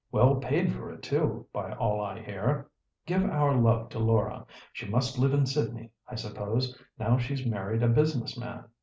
Well paid for it too, by all I hear! Give our love to Laura. She must live in Sydney, I suppose, now she's married a business man.